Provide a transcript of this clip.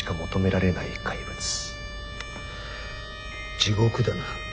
地獄だな。